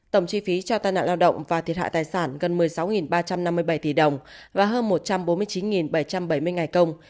tổng chi phí cho tai nạn lao động và thiệt hại tài sản gần một mươi sáu ba trăm năm mươi bảy tỷ đồng và hơn một trăm bốn mươi chín bảy trăm bảy mươi ngày công